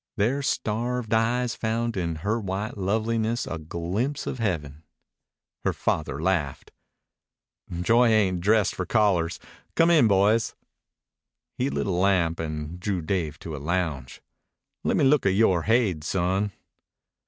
Their starved eyes found in her white loveliness a glimpse of heaven. Her father laughed. "Joy ain't dressed for callers. Come in, boys." He lit a lamp and drew Dave to a lounge. "Lemme look at yore haid, son.